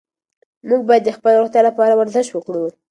موږ باید د خپلې روغتیا لپاره ورزش وکړو.